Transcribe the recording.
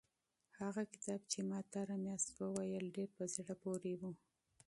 هغه کتاب چې ما تېره میاشت ولوست ډېر په زړه پورې و.